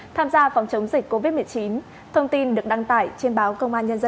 tham gia phòng chống dịch covid một mươi chín thông tin được đăng tải trên báo công an nhân dân